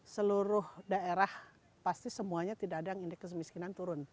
seluruh daerah pasti semuanya tidak ada yang indeks kemiskinan turun